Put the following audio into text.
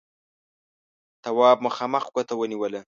تواب مخامخ ګوته ونيوله: